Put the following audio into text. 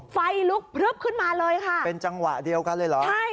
ไฟลุกพลึบขึ้นมาเลยค่ะเป็นจังหวะเดียวกันเลยเหรอใช่